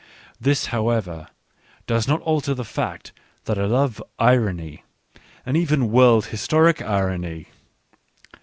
This, however, does not alter the fact that I love irony and even world historic irony.